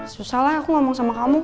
susah lah aku ngomong sama kamu